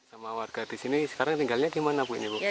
sama warga di sini sekarang tinggalnya di mana